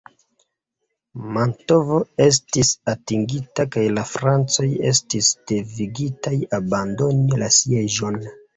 Mantovo estis atingita kaj la Francoj estis devigitaj abandoni la sieĝon.